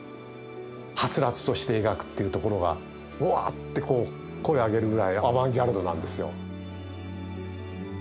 はつらつとして描くっていうところがウワッてこう声を上げるぐらいアバンギャルドなんですよ。